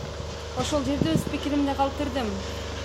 Ошол жерде өз пикиримди калтырдым.